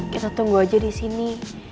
kita tunggu aja disini